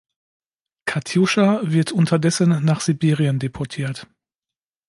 Katjuscha wird unterdessen nach Sibirien deportiert.